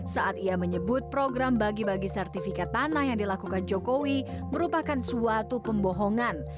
saat ia menyebut program bagi bagi sertifikat tanah yang dilakukan jokowi merupakan suatu pembohongan